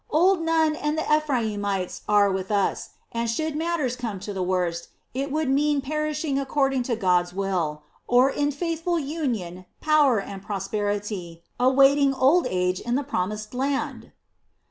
Old Nun and the Ephraimites are with us, and should matters come to the worst, it would mean perishing according to God's will, or in faithful union, power, and prosperity, awaiting old age in the Promised Land."